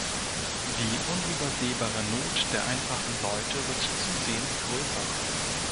Die unübersehbare Not der einfachen Leute wird zusehends größer.